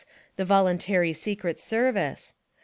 the VOLUNTARY SECRET SERVICE!